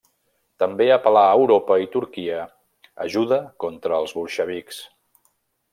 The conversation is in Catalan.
També apel·là a Europa i Turquia ajuda contra els bolxevics.